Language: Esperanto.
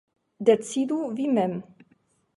Decidu vi mem.